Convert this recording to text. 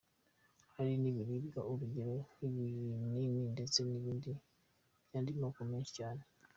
Hari n’ibiribwa urugero nk’ibinini ndetse n’ibindi by’andi moko menshi cyane.